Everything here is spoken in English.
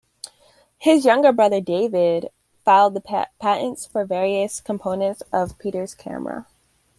His younger brother David, filed the patents for various components of Peter's camera.